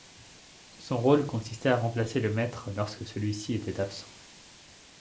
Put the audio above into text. Son rôle consistait à remplacer le maître lorsque celui-ci était absent.